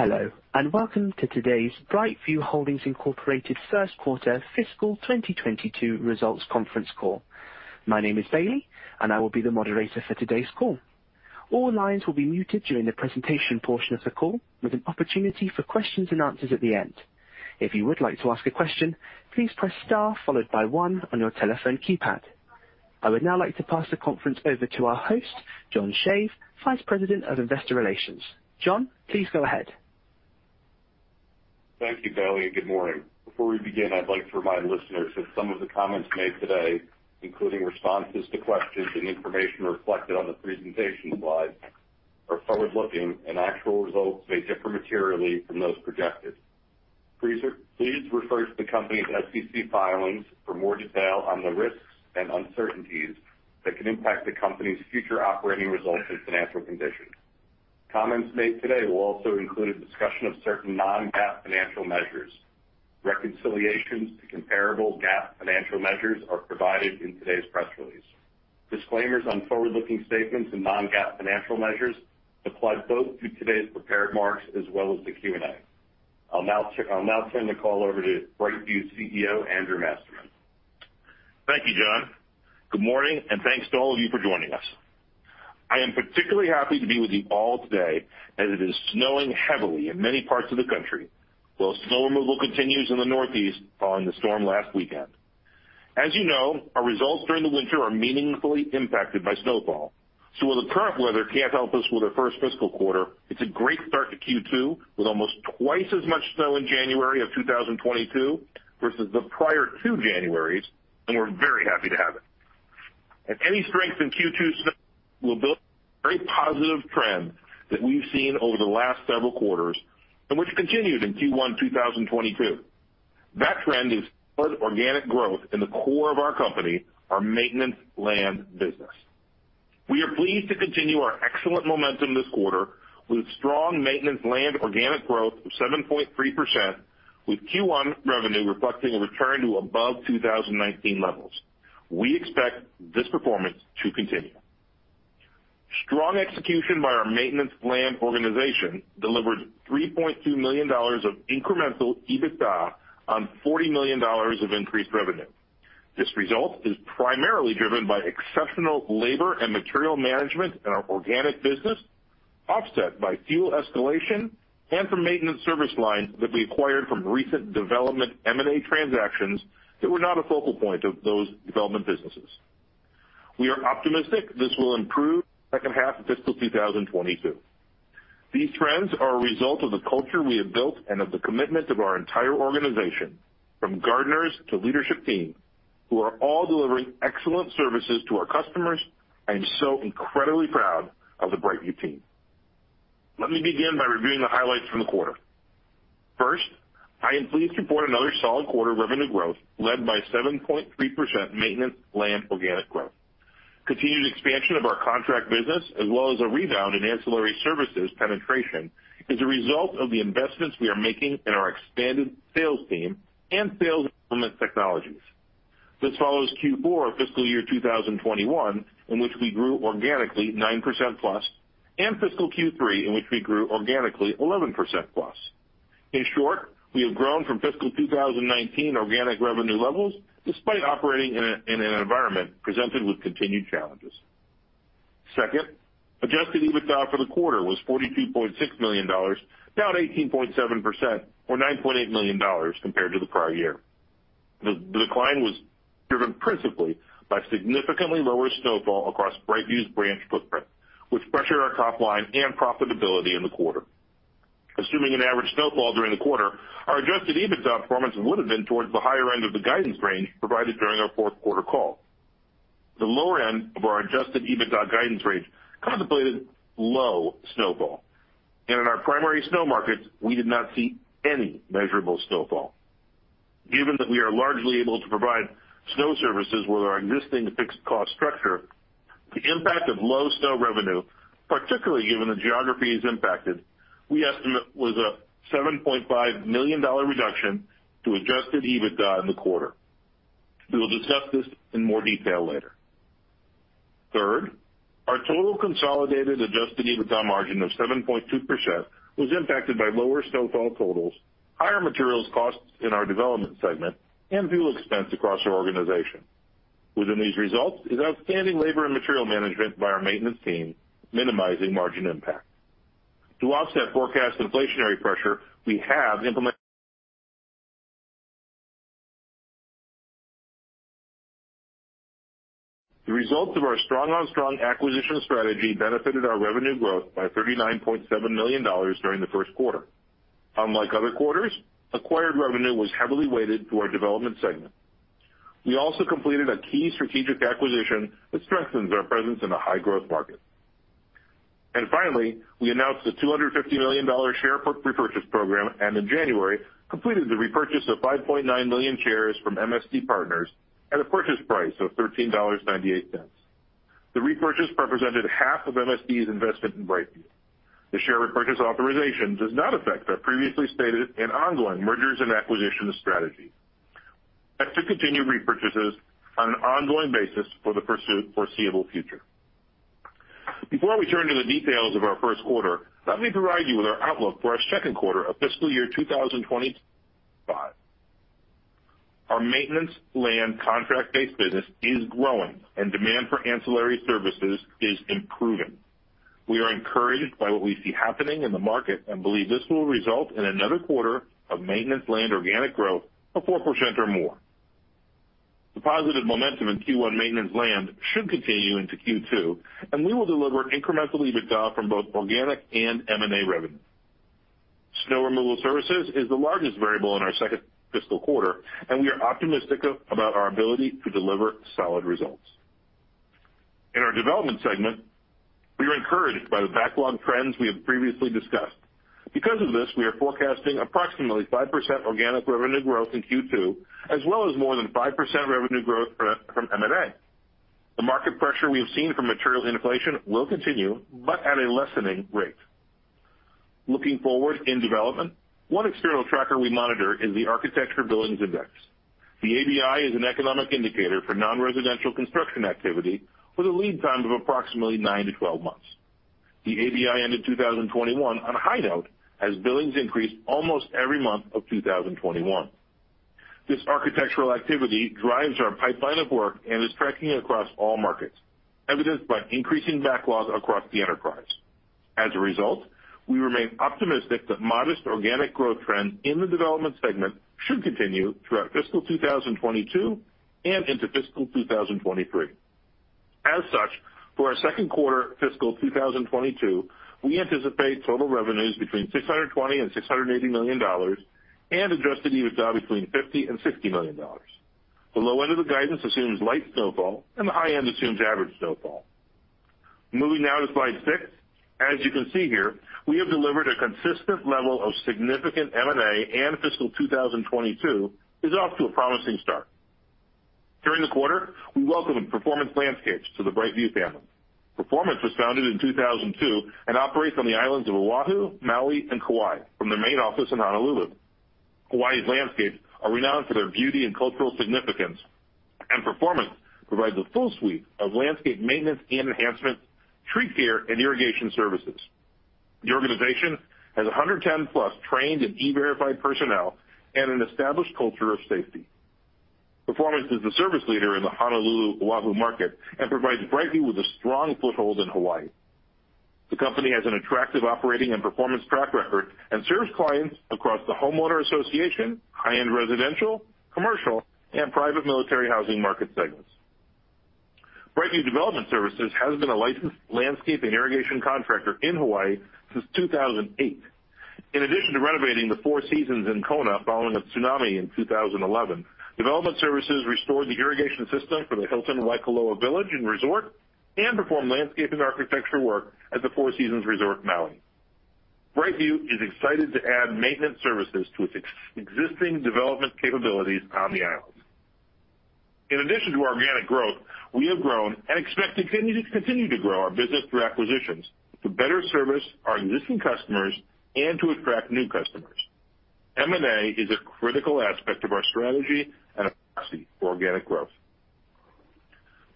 Hello, and welcome to today's BrightView Holdings, Inc. First Quarter Fiscal 2022 Results Conference Call. My name is Bailey, and I will be the moderator for today's call. All lines will be muted during the presentation portion of the call, with an opportunity for questions and answers at the end. If you would like to ask a question, please press star followed by one on your telephone keypad. I would now like to pass the conference over to our host, John Shave, Vice President of Investor Relations. John, please go ahead. Thank you, Bailey, and good morning. Before we begin, I'd like to remind listeners that some of the comments made today, including responses to questions and information reflected on the presentation slides, are forward-looking and actual results may differ materially from those projected. Please refer to the company's SEC filings for more detail on the risks and uncertainties that could impact the company's future operating results and financial condition. Comments made today will also include a discussion of certain non-GAAP financial measures. Reconciliations to comparable GAAP financial measures are provided in today's press release. Disclaimers on forward-looking statements and non-GAAP financial measures apply both to today's prepared remarks as well as the Q&A. I'll now turn the call over to BrightView CEO, Andrew Masterman. Thank you, John. Good morning, and thanks to all of you for joining us. I am particularly happy to be with you all today as it is snowing heavily in many parts of the country, while snow removal continues in the Northeast following the storm last weekend. As you know, our results during the winter are meaningfully impacted by snowfall. While the current weather can't help us with our first fiscal quarter, it's a great start to Q2 with almost twice as much snow in January 2022 versus the prior two Januaries, and we're very happy to have it. Any strength in Q2 snow will build a very positive trend that we've seen over the last several quarters and which continued in Q1 2022. That trend is organic growth in the core of our company, our Maintenance Land business. We are pleased to continue our excellent momentum this quarter with strong Maintenance and Land organic growth of 7.3%, with Q1 revenue reflecting a return to above 2019 levels. We expect this performance to continue. Strong execution by our Maintenance and Land organization delivered $3.2 million of incremental EBITDA on $40 million of increased revenue. This result is primarily driven by exceptional labor and material management in our organic business, offset by fuel escalation and from Maintenance service lines that we acquired from recent Development M&A transactions that were not a focal point of those Development businesses. We are optimistic this will improve second half of fiscal 2022. These trends are a result of the culture we have built and of the commitment of our entire organization, from gardeners to leadership team, who are all delivering excellent services to our customers. I am so incredibly proud of the BrightView team. Let me begin by reviewing the highlights from the quarter. First, I am pleased to report another solid quarter of revenue growth led by 7.3% Maintenance Land organic growth. Continued expansion of our contract business as well as a rebound in ancillary services penetration is a result of the investments we are making in our expanded sales team and sales implementation technologies. This follows Q4 fiscal year 2021, in which we grew organically 9%+, and fiscal Q3, in which we grew organically 11%+. In short, we have grown from fiscal 2019 organic revenue levels despite operating in an environment presented with continued challenges. Second, adjusted EBITDA for the quarter was $42.6 million, down 18.7% or $9.8 million compared to the prior year. The decline was driven principally by significantly lower snowfall across BrightView's branch footprint, which pressured our top line and profitability in the quarter. Assuming an average snowfall during the quarter, our adjusted EBITDA performance would have been towards the higher end of the guidance range provided during our fourth quarter call. The lower end of our adjusted EBITDA guidance range contemplated low snowfall. In our primary snow markets, we did not see any measurable snowfall. Given that we are largely able to provide snow services with our existing fixed cost structure, the impact of low snow revenue, particularly given the geographies impacted, we estimate was a $7.5 million reduction to adjusted EBITDA in the quarter. We will discuss this in more detail later. Third, our total consolidated adjusted EBITDA margin of 7.2% was impacted by lower snowfall totals, higher materials costs in our Development segment and fuel expense across our organization. Within these results is outstanding labor and material management by our Maintenance team, minimizing margin impact. To offset forecast inflationary pressure. The results of our strong on strong acquisition strategy benefited our revenue growth by $39.7 million during the first quarter. Unlike other quarters, acquired revenue was heavily weighted to our Development segment. We also completed a key strategic acquisition that strengthens our presence in the high-growth market. Finally, we announced the $250 million share repurchase program, and in January, completed the repurchase of 5.9 million shares from MSD Partners at a purchase price of $13.98. The repurchase represented half of MSD's investment in BrightView. The share repurchase authorization does not affect our previously stated and ongoing mergers and acquisitions strategy. To continue repurchases on an ongoing basis for the foreseeable future. Before we turn to the details of our first quarter, let me provide you with our outlook for our second quarter of fiscal year 2022. Our Maintenance Land contract-based business is growing, and demand for ancillary services is improving. We are encouraged by what we see happening in the market and believe this will result in another quarter of Maintenance Land organic growth of 4% or more. The positive momentum in Q1 Maintenance Land should continue into Q2, and we will deliver incremental EBITDA from both organic and M&A revenue. Snow removal services is the largest variable in our second fiscal quarter, and we are optimistic about our ability to deliver solid results. In our Development segment, we are encouraged by the backlog trends we have previously discussed. Because of this, we are forecasting approximately 5% organic revenue growth in Q2, as well as more than 5% revenue growth from M&A. The market pressure we have seen from material inflation will continue, but at a lessening rate. Looking forward in Development, one external tracker we monitor is the Architecture Billings Index. The ABI is an economic indicator for non-residential construction activity with a lead time of approximately 9 to 12 months. The ABI ended 2021 on a high note as billings increased almost every month of 2021. This architectural activity drives our pipeline of work and is tracking across all markets, evidenced by increasing backlogs across the enterprise. As a result, we remain optimistic that modest organic growth trends in the Development segment should continue throughout fiscal 2022 and into fiscal 2023. As such, for our second quarter fiscal 2022, we anticipate total revenues between $620 million and $680 million and adjusted EBITDA between $50 million and $60 million. The low end of the guidance assumes light snowfall, and the high end assumes average snowfall. Moving now to slide six. As you can see here, we have delivered a consistent level of significant M&A, and fiscal 2022 is off to a promising start. During the quarter, we welcomed Performance Landscapes to the BrightView family. Performance was founded in 2002 and operates on the islands of Oahu, Maui, and Kauai from their main office in Honolulu. Hawaii's landscapes are renowned for their beauty and cultural significance, and Performance provides a full suite of landscape Maintenance and enhancement, tree care, and irrigation services. The organization has 110-plus trained and E-Verify personnel and an established culture of safety. Performance is the service leader in the Honolulu Oahu market and provides BrightView with a strong foothold in Hawaii. The company has an attractive operating and performance track record and serves clients across the homeowner association, high-end residential, commercial, and private military housing market segments. BrightView Development Services has been a licensed landscape and irrigation contractor in Hawaii since 2008. In addition to renovating the Four Seasons Resort Hualalai following a tsunami in 2011, Development Services restored the irrigation system for the Hilton Waikoloa Village and performed landscape and architecture work at the Four Seasons Resort Maui at Wailea. BrightView is excited to add Maintenance services to its existing Development capabilities on the islands. In addition to organic growth, we have grown and expect to continue to grow our business through acquisitions to better service our existing customers and to attract new customers. M&A is a critical aspect of our strategy and a proxy for organic growth.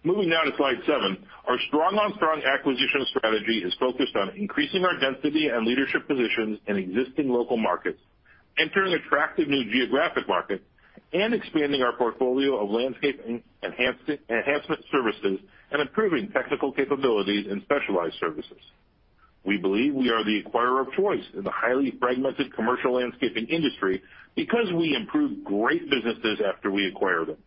Moving now to slide seven. Our strong-on-strong acquisition strategy is focused on increasing our density and leadership positions in existing local markets, entering attractive new geographic markets, and expanding our portfolio of landscaping enhancement services, and improving technical capabilities and specialized services. We believe we are the acquirer of choice in the highly fragmented commercial landscaping industry because we improve great businesses after we acquire them.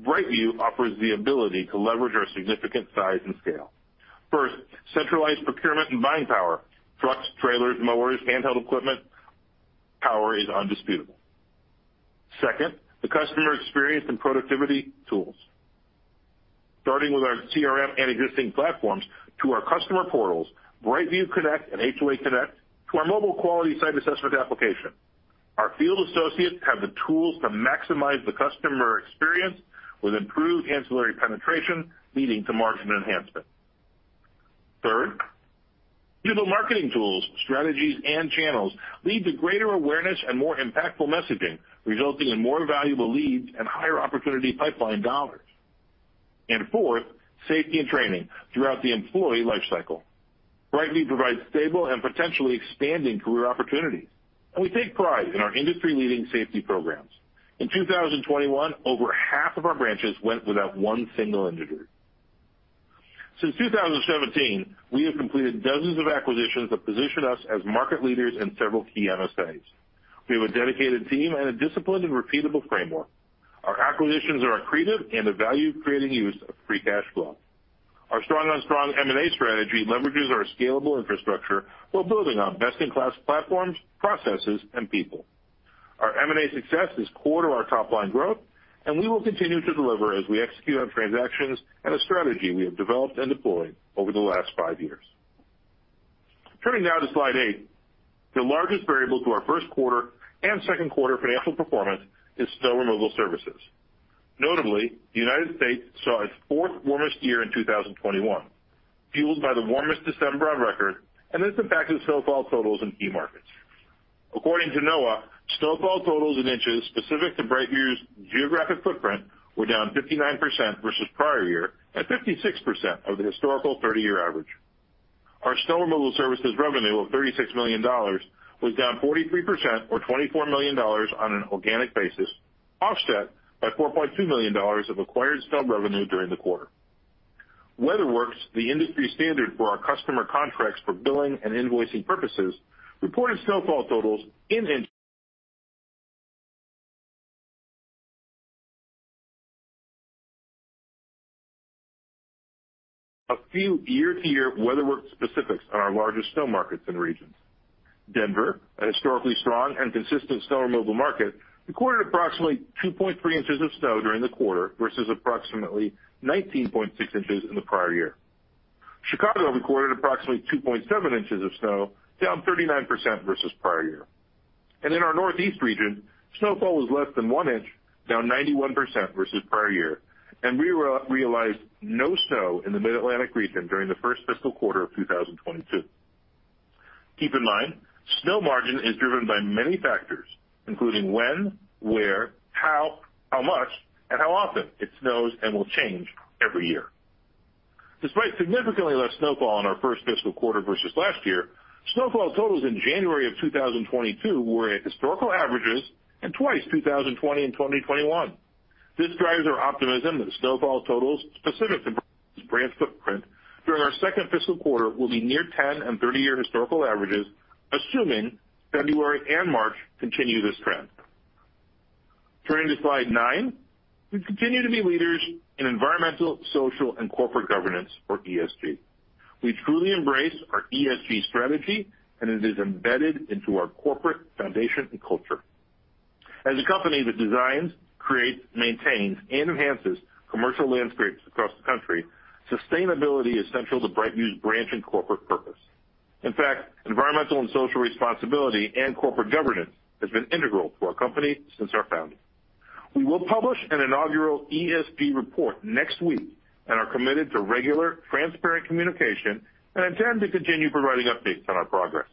BrightView offers the ability to leverage our significant size and scale. First, centralized procurement and buying power. Trucks, trailers, mowers, handheld equipment. Power is indisputable. Second, the customer experience and productivity tools. Starting with our CRM and existing platforms to our customer portals, BrightView Connect and HOA Connect to our mobile quality site assessment application. Our field associates have the tools to maximize the customer experience with improved ancillary penetration, leading to margin enhancement. Third, digital marketing tools, strategies, and channels lead to greater awareness and more impactful messaging, resulting in more valuable leads and higher opportunity pipeline dollars. Fourth, safety and training throughout the employee life cycle. BrightView provides stable and potentially expanding career opportunities, and we take pride in our industry-leading safety programs. In 2021, over half of our branches went without one single injury. Since 2017, we have completed dozens of acquisitions that position us as market leaders in several key MSAs. We have a dedicated team and a disciplined and repeatable framework. Our acquisitions are accretive and a value-creating use of free cash flow. Our strong-on-strong M&A strategy leverages our scalable infrastructure while building on best-in-class platforms, processes, and people. Our M&A success is core to our top-line growth, and we will continue to deliver as we execute on transactions and a strategy we have developed and deployed over the last five years. Turning now to slide eight. The largest variable to our first quarter and second quarter financial performance is snow removal services. Notably, the United States saw its 4th warmest year in 2021, fueled by the warmest December on record, which has impacted snowfall totals in key markets. According to NOAA, snowfall totals in inches specific to BrightView's geographic footprint were down 59% versus prior year, at 56% of the historical 30-year average. Our snow removal services revenue of $36 million was down 43% or $24 million on an organic basis, offset by $4.2 million of acquired snow revenue during the quarter. WeatherWorks, the industry standard for our customer contracts for billing and invoicing purposes, reported snowfall totals. A few year-to-year WeatherWorks specifics on our largest snow markets and regions. Denver, a historically strong and consistent snow removal market, recorded approximately 2.3 inches of snow during the quarter versus approximately 19.6 inches in the prior year. Chicago recorded approximately 2.7 inches of snow, down 39% versus prior year. In our Northeast region, snowfall was less than one inch, down 91% versus prior year, and we realized no snow in the Mid-Atlantic region during the first fiscal quarter of 2022. Keep in mind, snow margin is driven by many factors, including when, where, how much, and how often it snows and will change every year. Despite significantly less snowfall in our first fiscal quarter versus last year, snowfall totals in January of 2022 were at historical averages and twice 2020 and 2021. This drives our optimism that snowfall totals specific to our branch footprint during our second fiscal quarter will be near 10- and 30-year historical averages, assuming February and March continue this trend. Turning to slide 9. We continue to be leaders in environmental, social, and corporate governance or ESG. We truly embrace our ESG strategy, and it is embedded into our corporate foundation and culture. As a company that designs, creates, maintains, and enhances commercial landscapes across the country, sustainability is central to BrightView's brand and corporate purpose. In fact, environmental and social responsibility and corporate governance has been integral to our company since our founding. We will publish an inaugural ESG report next week and are committed to regular, transparent communication and intend to continue providing updates on our progress.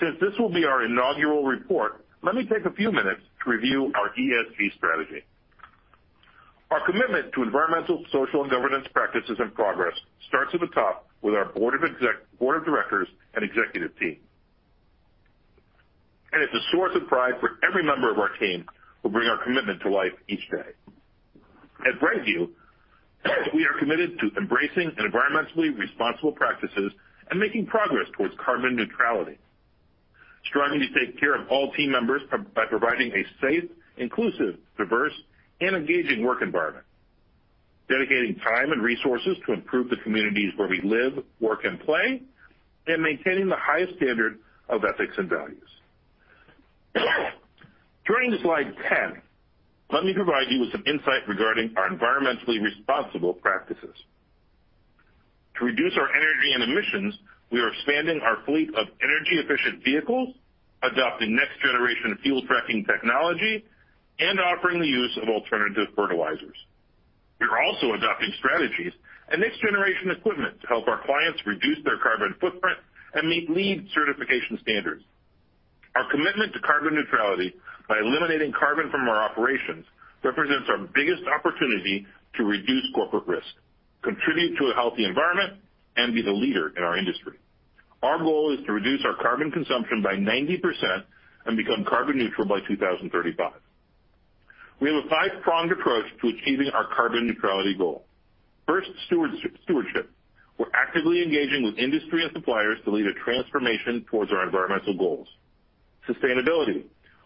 Since this will be our inaugural report, let me take a few minutes to review our ESG strategy. Our commitment to environmental, social, and governance practices and progress starts at the top with our Board of Directors and executive team. It's a source of pride for every member of our team who bring our commitment to life each day. At BrightView, we are committed to embracing environmentally responsible practices and making progress towards carbon neutrality, striving to take care of all team members by providing a safe, inclusive, diverse, and engaging work environment. Dedicating time and resources to improve the communities where we live, work, and play, and maintaining the highest standard of ethics and values. Turning to slide 10, let me provide you with some insight regarding our environmentally responsible practices. To reduce our energy and emissions, we are expanding our fleet of energy-efficient vehicles, adopting next generation fuel tracking technology, and offering the use of alternative fertilizers. We're also adopting strategies and next generation equipment to help our clients reduce their carbon footprint and meet LEED certification standards. Our commitment to carbon neutrality by eliminating carbon from our operations represents our biggest opportunity to reduce corporate risk, contribute to a healthy environment, and be the leader in our industry. Our goal is to reduce our carbon consumption by 90% and become carbon neutral by 2035. We have a five-pronged approach to achieving our carbon neutrality goal. First, stewardship. We're actively engaging with industry and suppliers to lead a transformation towards our environmental goals. Sustainability.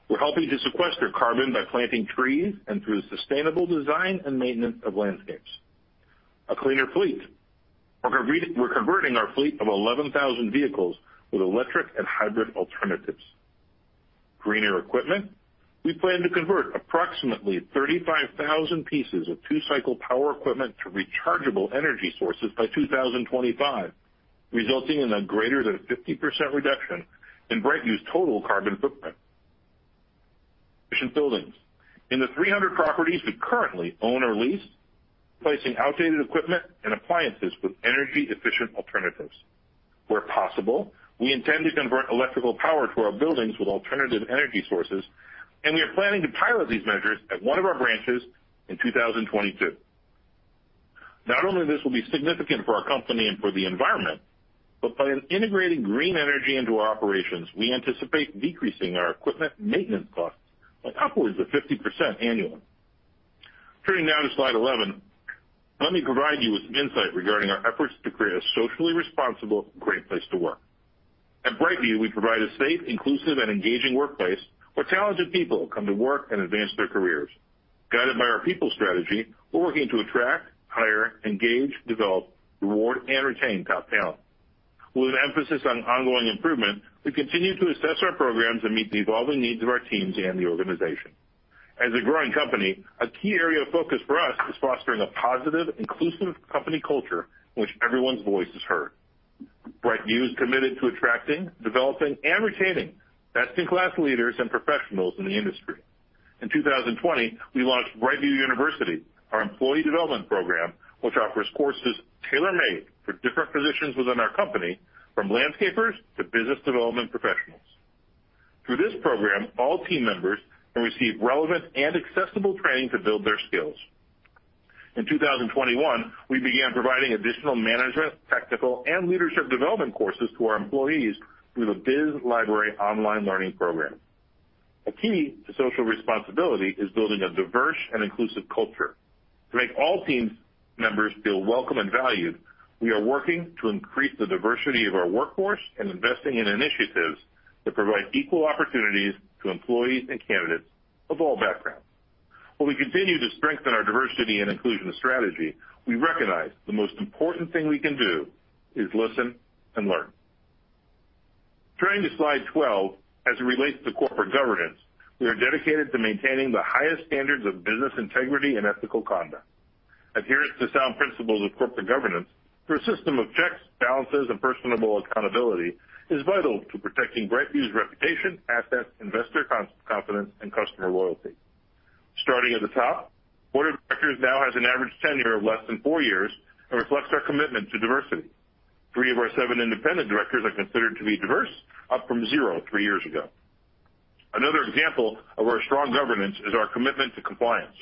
We're helping to sequester carbon by planting trees and through the sustainable design and Maintenance of landscapes. A cleaner fleet. We're converting our fleet of 11,000 vehicles with electric and hybrid alternatives. Greener equipment. We plan to convert approximately 35,000 pieces of two-cycle power equipment to rechargeable energy sources by 2025, resulting in a greater than 50% reduction in BrightView's total carbon footprint. Efficient buildings. In the 300 properties we currently own or lease, replacing outdated equipment and appliances with energy efficient alternatives. Where possible, we intend to convert electrical power to our buildings with alternative energy sources, and we are planning to pilot these measures at one of our branches in 2022. Not only will this be significant for our company and for the environment, but by integrating green energy into our operations, we anticipate decreasing our equipment Maintenance costs by upwards of 50% annually. Turning now to slide 11, let me provide you with some insight regarding our efforts to create a socially responsible, great place to work. At BrightView, we provide a safe, inclusive, and engaging workplace where talented people come to work and advance their careers. Guided by our people strategy, we're working to attract, hire, engage, develop, reward, and retain top talent. With an emphasis on ongoing improvement, we continue to assess our programs and meet the evolving needs of our teams and the organization. As a growing company, a key area of focus for us is fostering a positive, inclusive company culture in which everyone's voice is heard. BrightView is committed to attracting, developing, and retaining best-in-class leaders and professionals in the industry. In 2020, we launched BrightView University, our employee development program, which offers courses tailor-made for different positions within our company, from landscapers to business development professionals. Through this program, all team members can receive relevant and accessible training to build their skills. In 2021, we began providing additional management, technical, and leadership development courses to our employees through the BizLibrary online learning program. A key to social responsibility is building a diverse and inclusive culture. To make all team members feel welcome and valued, we are working to increase the diversity of our workforce and investing in initiatives that provide equal opportunities to employees and candidates of all backgrounds. While we continue to strengthen our diversity and inclusion strategy, we recognize the most important thing we can do is listen and learn. Turning to slide 12, as it relates to corporate governance, we are dedicated to maintaining the highest standards of business integrity and ethical conduct. Adherence to sound principles of corporate governance through a system of checks, balances, and personal accountability is vital to protecting BrightView's reputation, assets, investor confidence, and customer loyalty. Starting at the top, Board of Directors now has an average tenure of less than four years and reflects our commitment to diversity. Three of our seven independent Directors are considered to be diverse, up from zero, three years ago. Another example of our strong governance is our commitment to compliance.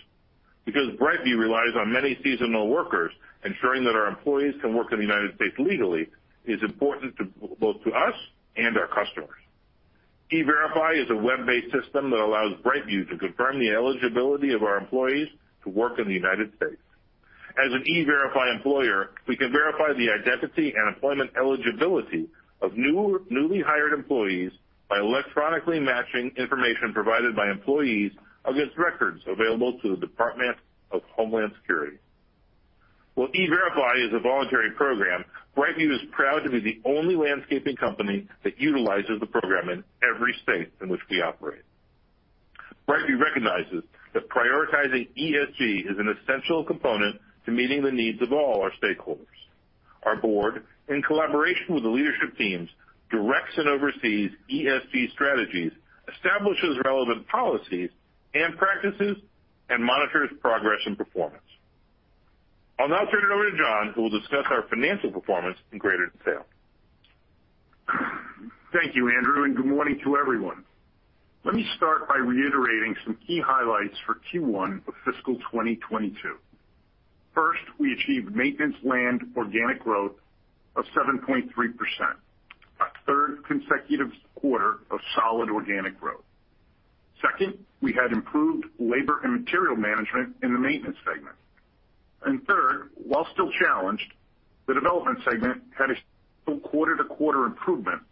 Because BrightView relies on many seasonal workers, ensuring that our employees can work in the United States legally is important to both to us and our customers. E-verify is a web-based system that allows BrightView to confirm the eligibility of our employees to work in the United States. As an E-Verify employer, we can verify the identity and employment eligibility of newly hired employees by electronically matching information provided by employees against records available to the Department of Homeland Security. While E-Verify is a voluntary program, BrightView is proud to be the only landscaping company that utilizes the program in every state in which we operate. BrightView recognizes that prioritizing ESG is an essential component to meeting the needs of all our stakeholders. Our Board, in collaboration with the leadership teams, directs and oversees ESG strategies, establishes relevant policies and practices, and monitors progress and performance. I'll now turn it over to John, who will discuss our financial performance in greater detail. Thank you, Andrew, and good morning to everyone. Let me start by reiterating some key highlights for Q1 of fiscal 2022. First, we achieved Maintenance Land organic growth of 7.3%, our third consecutive quarter of solid organic growth. Second, we had improved labor and material management in the Maintenance segment. Third, while still challenged, the Development segment had a quarter-to-quarter improvement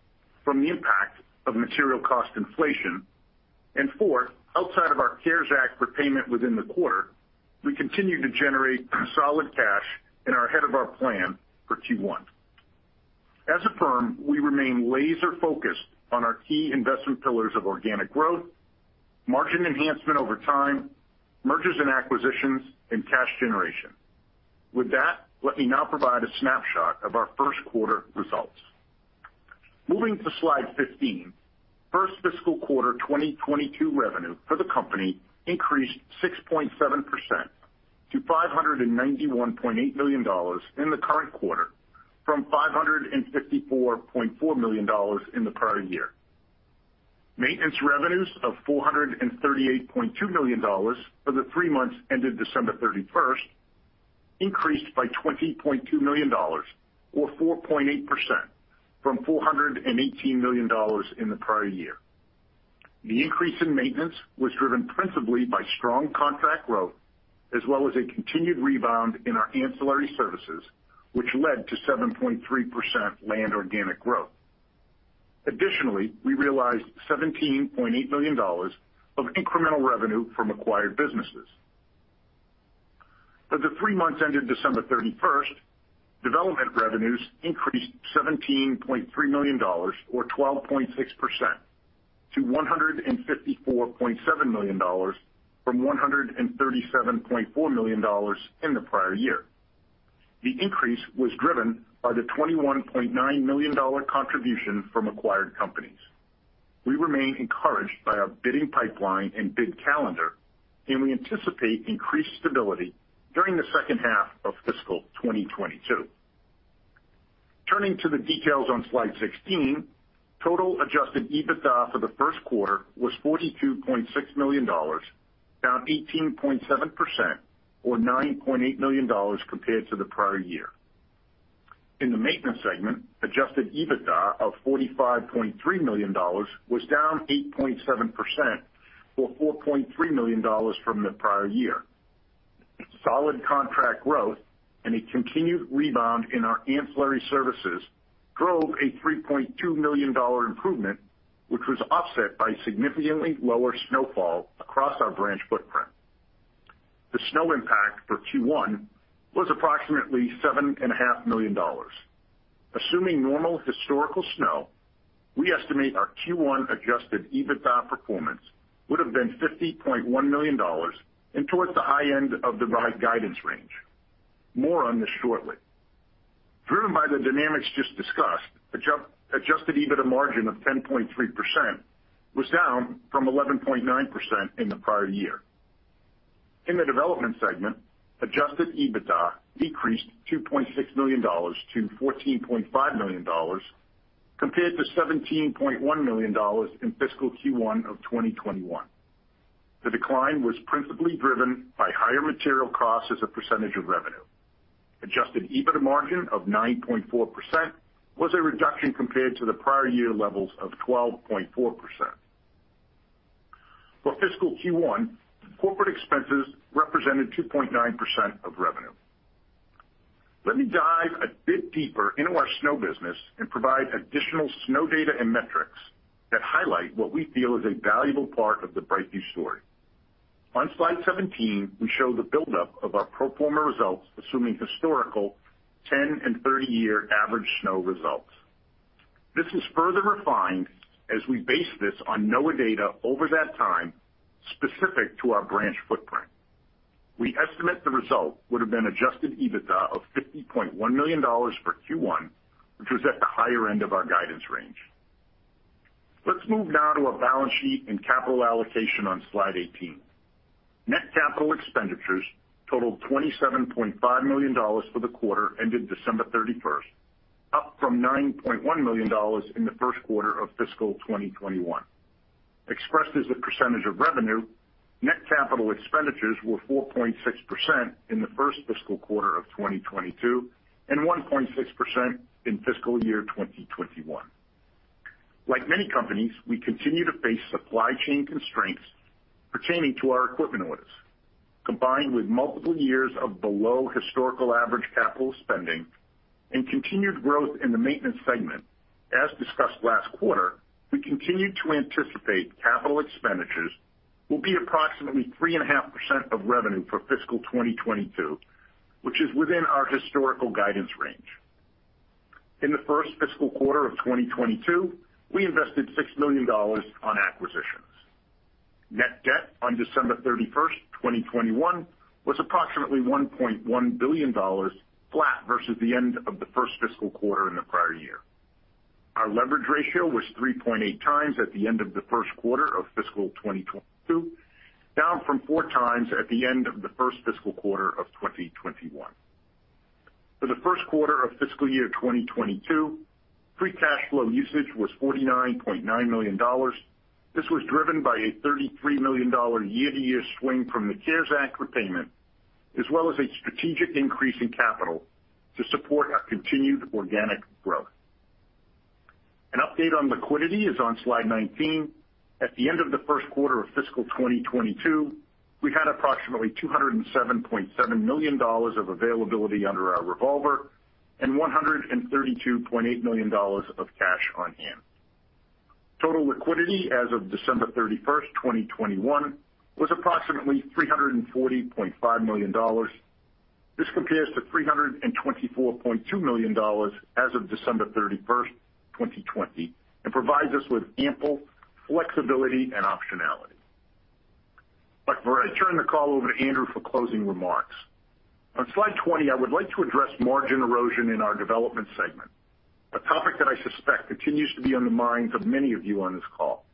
from the impact of material cost inflation. Fourth, outside of our CARES Act repayment within the quarter, we continued to generate solid cash and are ahead of our plan for Q1. As a firm, we remain laser-focused on our key investment pillars of organic growth, margin enhancement over time, mergers and acquisitions, and cash generation. With that, let me now provide a snapshot of our first quarter results. Moving to slide 15, first fiscal quarter 2022 revenue for the company increased 6.7% to $591.8 million in the current quarter, from $554.4 million in the prior year. Maintenance revenues of $438.2 million for the three months ended December 31 increased by $20.2 million or 4.8% from $418 million in the prior year. The increase in Maintenance was driven principally by strong contract growth as well as a continued rebound in our ancillary services, which led to 7.3% land organic growth. Additionally, we realized $17.8 million of incremental revenue from acquired businesses. For the three months ended December 31st, Development revenues increased $17.3 million or 12.6% to $154.7 million from $137.4 million in the prior year. The increase was driven by the $21.9 million-dollar contribution from acquired companies. We remain encouraged by our bidding pipeline and bid calendar, and we anticipate increased stability during the second half of fiscal 2022. Turning to the details on slide 16, total adjusted EBITDA for the first quarter was $42.6 million, down 18.7% or $9.8 million compared to the prior year. In the Maintenance segment, adjusted EBITDA of $45.3 million was down 8.7% or $4.3 million from the prior year. Solid contract growth and a continued rebound in our ancillary services drove a $3.2 million improvement, which was offset by significantly lower snowfall across our branch footprint. The snow impact for Q1 was approximately $7.5 million. Assuming normal historical snow, we estimate our Q1 adjusted EBITDA performance would have been $50.1 million and towards the high end of the prior guidance range. More on this shortly. Driven by the dynamics just discussed, adjusted EBITDA margin of 10.3% was down from 11.9% in the prior year. In the Development segment, adjusted EBITDA decreased $2.6 million-$14.5 million compared to $17.1 million in fiscal Q1 of 2021. The decline was principally driven by higher material costs as a percentage of revenue. Adjusted EBITDA margin of 9.4% was a reduction compared to the prior year levels of 12.4%. For fiscal Q1, corporate expenses represented 2.9% of revenue. Let me dive a bit deeper into our snow business and provide additional snow data and metrics that highlight what we feel is a valuable part of the BrightView story. On slide 17, we show the buildup of our pro forma results, assuming historical 10- and 30-year average snow results. This is further refined as we base this on NOAA data over that time, specific to our branch footprint. We estimate the result would have been adjusted EBITDA of $50.1 million for Q1, which was at the higher end of our guidance range. Let's move now to our balance sheet and capital allocation on slide 18. Net capital expenditures totaled $27.5 million for the quarter ended December 31st, up from $9.1 million in the first quarter of fiscal 2021. Expressed as a percentage of revenue, net capital expenditures were 4.6% in the first fiscal quarter of 2022 and 1.6% in fiscal year 2021. Like many companies, we continue to face supply chain constraints pertaining to our equipment orders. Combined with multiple years of below historical average capital spending and continued growth in the Maintenance segment, as discussed last quarter, we continue to anticipate capital expenditures will be approximately 3.5% of revenue for fiscal 2022, which is within our historical guidance range. In the first fiscal quarter of 2022, we invested $6 million on acquisitions. Net debt on December 31, 2021 was approximately $1.1 billion flat versus the end of the first fiscal quarter in the prior year. Our leverage ratio was 3.8x at the end of the first quarter of fiscal 2022, down from 4x at the end of the first fiscal quarter of 2021. For the first quarter of fiscal year 2022, free cash flow usage was $49.9 million. This was driven by a $33 million year-to-year swing from the CARES Act repayment, as well as a strategic increase in capital to support our continued organic growth. An update on liquidity is on slide 19. At the end of the first quarter of fiscal 2022, we had approximately $207.7 million of availability under our revolver and $132.8 million of cash on hand. Total liquidity as of December 31, 2021 was approximately $340.5 million. This compares to $324.2 million as of December 31, 2020, and provides us with ample flexibility and optionality. Before I turn the call over to Andrew for closing remarks, on slide 20, I would like to address margin erosion in our Development segment, a topic that I suspect continues to be on the minds of many of you on this call.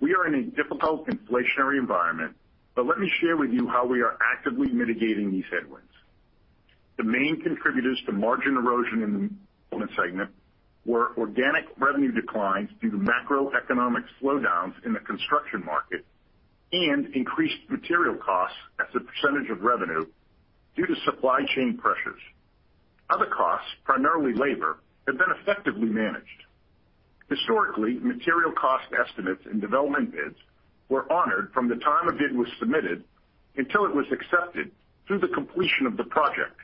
We are in a difficult inflationary environment, but let me share with you how we are actively mitigating these headwinds. The main contributors to margin erosion in the Development segment were organic revenue declines due to macroeconomic slowdowns in the construction market and increased material costs as a percentage of revenue due to supply chain pressures. Other costs, primarily labor, have been effectively managed. Historically, material cost estimates in Development bids were honored from the time a bid was submitted until it was accepted through the completion of the project.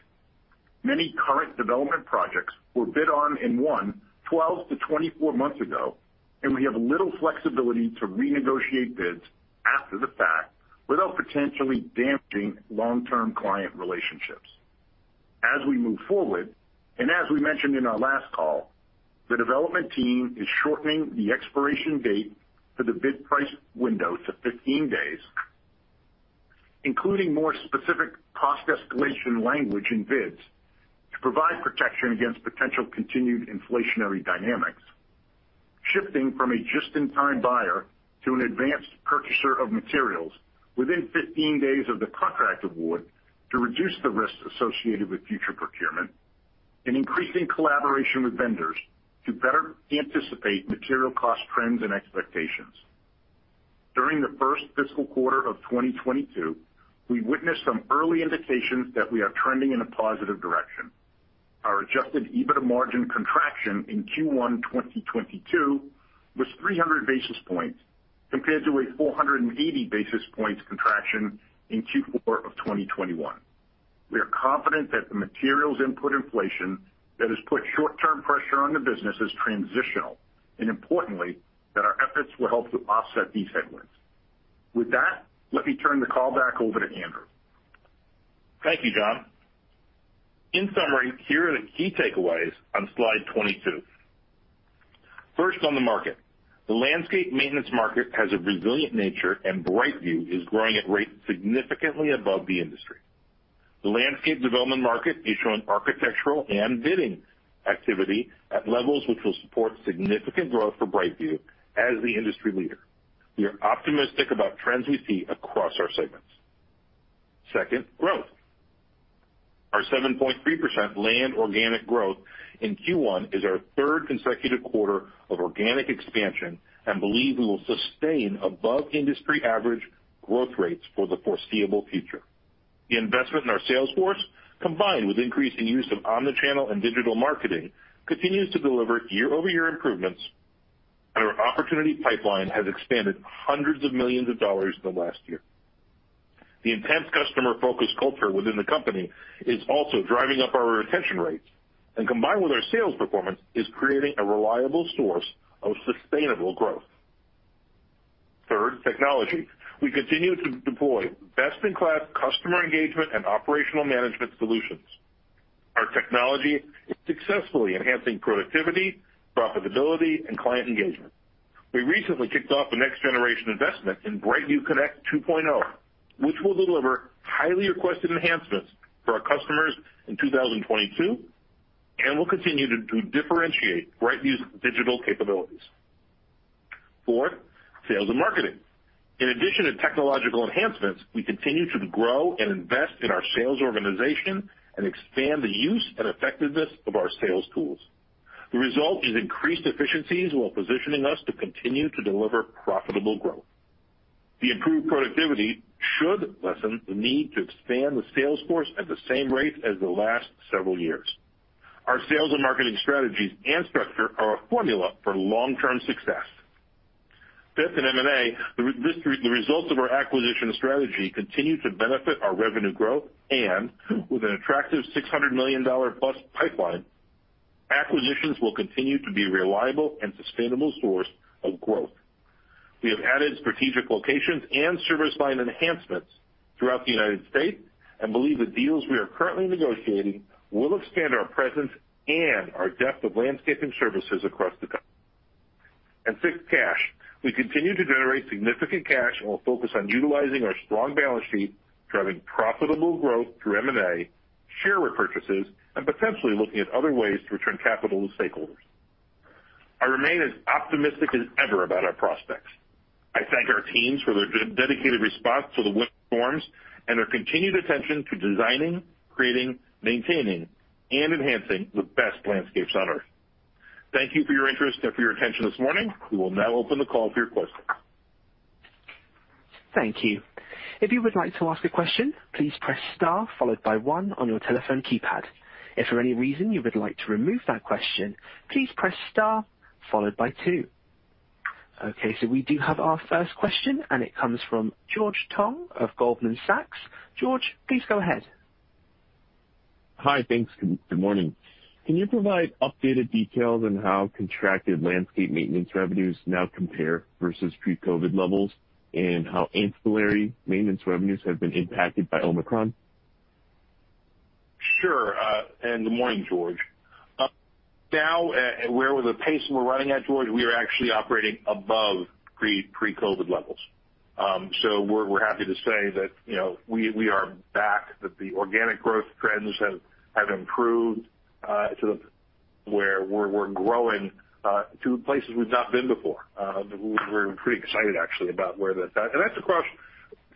Many current Development projects were bid on and won 12-24 months ago, and we have little flexibility to renegotiate bids after the fact without potentially damping long-term client relationships. As we move forward, and as we mentioned in our last call, the Development team is shortening the expiration date for the bid price window to 15 days, including more specific cost escalation language in bids to provide protection against potential continued inflationary dynamics, shifting from a just-in-time buyer to an advanced purchaser of materials within 15 days of the contract award to reduce the risk associated with future procurement, and increasing collaboration with vendors to better anticipate material cost trends and expectations. During the first fiscal quarter of 2022, we witnessed some early indications that we are trending in a positive direction. Our adjusted EBITDA margin contraction in Q1 2022 was 300 basis points compared to a 480 basis points contraction in Q4 of 2021. We are confident that the materials input inflation that has put short-term pressure on the business is transitional, and importantly, that our efforts will help to offset these headwinds. With that, let me turn the call back over to Andrew. Thank you, John. In summary, here are the key takeaways on slide 22. First, on the market. The landscape Maintenance market has a resilient nature, and BrightView is growing at rates significantly above the industry. The landscape Development market is showing architectural and bidding activity at levels which will support significant growth for BrightView as the industry leader. We are optimistic about trends we see across our segments. Second, growth. Our 7.3% land organic growth in Q1 is our third consecutive quarter of organic expansion, and we believe we will sustain above industry average growth rates for the foreseeable future. The investment in our sales force, combined with increasing use of omni-channel and digital marketing, continues to deliver year-over-year improvements, and our opportunity pipeline has expanded hundreds of millions of dollars in the last year. The intense customer-focused culture within the company is also driving up our retention rates, and combined with our sales performance, is creating a reliable source of sustainable growth. Third, technology. We continue to deploy best-in-class customer engagement and operational management solutions. Our technology is successfully enhancing productivity, profitability, and client engagement. We recently kicked off the next generation investment in BrightView Connect 2.0, which will deliver highly requested enhancements for our customers in 2022, and will continue to differentiate BrightView's digital capabilities. Fourth, sales and marketing. In addition to technological enhancements, we continue to grow and invest in our sales organization and expand the use and effectiveness of our sales tools. The result is increased efficiencies while positioning us to continue to deliver profitable growth. The improved productivity should lessen the need to expand the sales force at the same rate as the last several years. Our sales and marketing strategies and structure are a formula for long-term success. Fifth, in M&A, the results of our acquisition strategy continue to benefit our revenue growth, and with an attractive $600 million-plus pipeline, acquisitions will continue to be reliable and sustainable source of growth. We have added strategic locations and service line enhancements throughout the United States, and believe the deals we are currently negotiating will expand our presence and our depth of landscaping services across the country. Sixth, cash. We continue to generate significant cash and will focus on utilizing our strong balance sheet, driving profitable growth through M&A, share repurchases, and potentially looking at other ways to return capital to stakeholders. I remain as optimistic as ever about our prospects. I thank our teams for their dedicated response to the winter storms and their continued attention to designing, creating, maintaining, and enhancing the best landscapes on Earth. Thank you for your interest and for your attention this morning. We will now open the call for your questions. Okay, we do have our first question, and it comes from George Tong of Goldman Sachs. George, please go ahead. Hi. Thanks. Good morning. Can you provide updated details on how contracted landscape Maintenance revenues now compare versus pre-COVID levels, and how ancillary Maintenance revenues have been impacted by Omicron? Sure, good morning, George. Now, with the pace we're running at, George, we are actually operating above pre-COVID levels. We're happy to say that, you know, we are back, that the organic growth trends have improved to the point where we're growing to places we've not been before. We're pretty excited actually about where that's at. That's across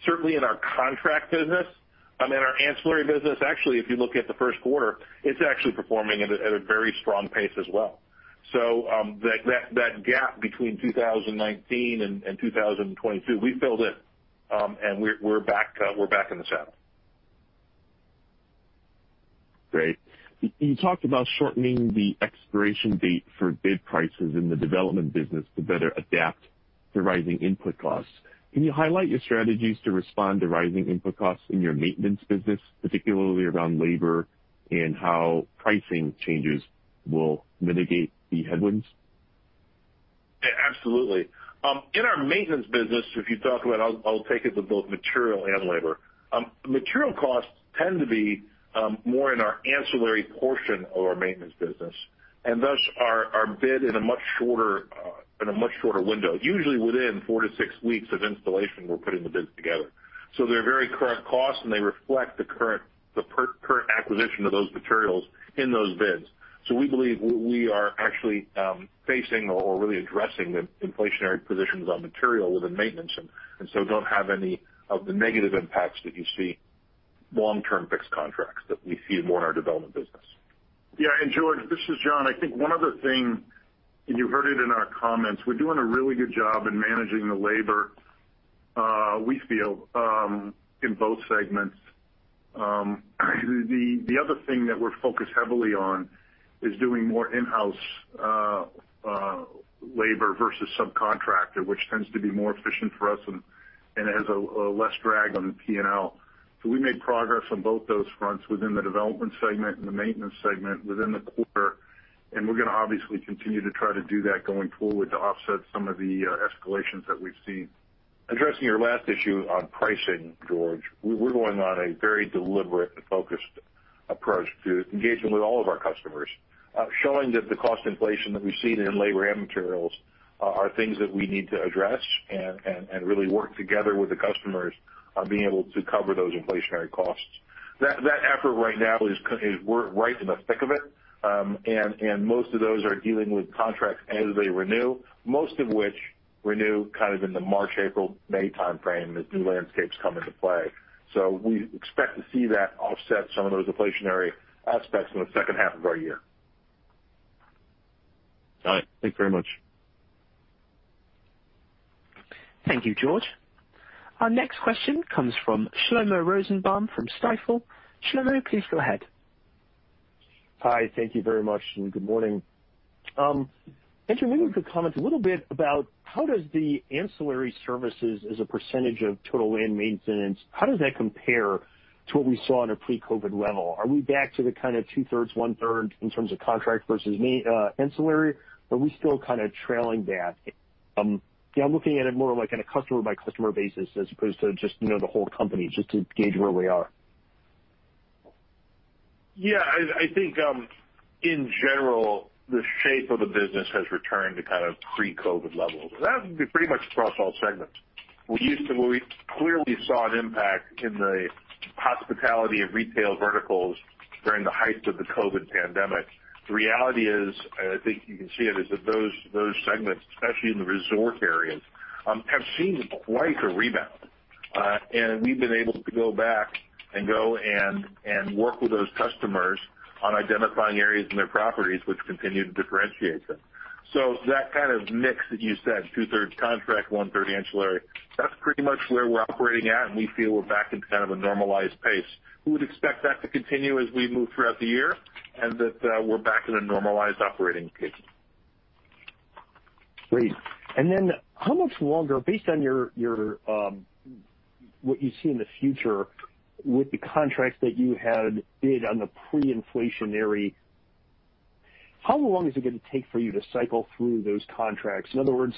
certainly in our contract business. In our ancillary business, actually, if you look at the first quarter, it's actually performing at a very strong pace as well. That gap between 2019 and 2022, we filled in. We're back in the saddle. Great. You talked about shortening the expiration date for bid prices in the development business to better adapt to rising input costs. Can you highlight your strategies to respond to rising input costs in your maintenance business, particularly around labor, and how pricing changes will mitigate the headwinds? Yeah, absolutely. In our maintenance business, if you talk about, I'll take it to both material and labor. Material costs tend to be more in our ancillary portion of our maintenance business, and thus our bid in a much shorter window. Usually within four to six weeks of installation, we're putting the bids together. They're very current costs, and they reflect the current procurement of those materials in those bids. We believe we are actually facing or really addressing the inflationary pressures on material within Maintenance and so don't have any of the negative impacts that you see in long-term fixed contracts that we see more in our development business. Yeah. George, this is John. I think one other thing, you heard it in our comments, we're doing a really good job in managing the labor, we feel, in both segments. The other thing that we're focused heavily on is doing more in-house labor versus subcontractor, which tends to be more efficient for us and has a less drag on the P&L. We made progress on both those fronts within the Development segment and the Maintenance segment within the quarter, and we're gonna obviously continue to try to do that going forward to offset some of the escalations that we've seen. Addressing your last issue on pricing, George, we're going on a very deliberate and focused approach to engaging with all of our customers, showing that the cost inflation that we've seen in labor and materials are things that we need to address and really work together with the customers on being able to cover those inflationary costs. That effort right now is, as we're right in the thick of it, and most of those are dealing with contracts as they renew, most of which renew kind of in the March, April, May timeframe as new landscapes come into play. We expect to see that offset some of those inflationary aspects in the second half of our year. All right. Thank you very much. Thank you, George. Our next question comes from Shlomo Rosenbaum from Stifel. Shlomo, please go ahead. Hi. Thank you very much, and good morning. Andrew, maybe you could comment a little bit about how does the ancillary services as a percentage of total Land Maintenance, how does that compare to what we saw on a pre-COVID level? Are we back to the kind of 2/3, 1/3 in terms of contract versus ancillary? Are we still kind of trailing that? Yeah, I'm looking at it more like on a customer by customer basis as opposed to just, you know, the whole company, just to gauge where we are. Yeah. I think, in general, the shape of the business has returned to kind of pre-COVID levels. That would be pretty much across all segments. We clearly saw an impact in the hospitality and retail verticals during the height of the COVID pandemic. The reality is, and I think you can see it, is that those segments, especially in the resort areas, have seen quite a rebound. We've been able to go back and work with those customers on identifying areas in their properties which continue to differentiate them. That kind of mix that you said, 2/3 contract, 1/3 ancillary, that's pretty much where we're operating at, and we feel we're back in kind of a normalized pace. We would expect that to continue as we move throughout the year, and that we're back in a normalized operating pace. Great. Then how much longer, based on your what you see in the future with the contracts that you had bid on the pre-inflationary, how long is it gonna take for you to cycle through those contracts? In other words,